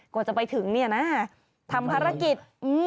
กว่าจะไปถึงทำภารกิจ